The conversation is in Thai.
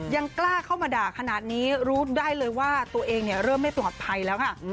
ยังกล้าเข้ามาด่าขนาดนี้รู้ได้เลยว่าตัวเองเริ่มไม่ปลอดภัยแล้วค่ะ